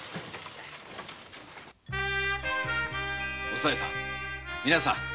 おさいさんみなさん。